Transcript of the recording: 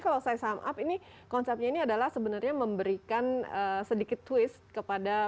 kalau saya saham api nih konsepnya ini adalah sebenarnya memberikan sedikit twist kepada